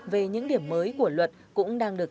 về những điểm mới của luật cũng đang được